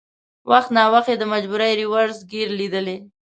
وخت ناوخت یې د مجبورۍ رېورس ګیر لېدلی.